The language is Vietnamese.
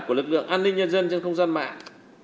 của lực lượng an ninh nhân dân trên không gian mạng